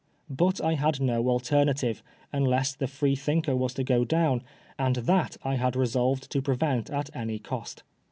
But I had no alternative, unless the Freethinker was to go down, and that I had resolved to prevent at any cost.